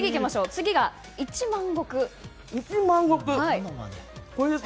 次が、一万石。